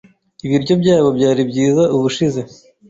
Ibiryo byabo byari byiza ubushize.